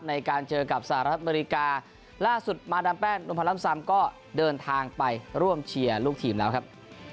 ในการเจอกับสหรัฐอเมริกาล่าสุดมาดามแป้งนมพันล้ำซำก็เดินทางไปร่วมเชียร์ลูกทีมแล้วครับ